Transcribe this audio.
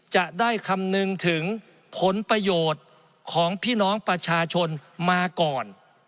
จะได้คำนึงถึงผลประโยชน์ของพี่น้องประชาชนมาก่อน